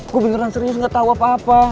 gue beneran serius gak tau apa apa